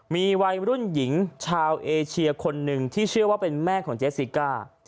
มีวัยรุ่นหญิงชาวเอเชียคนหนึ่งที่เชื่อว่าเป็นแม่ของเจสสิก้า